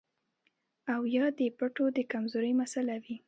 او يا د پټو د کمزورۍ مسئله وي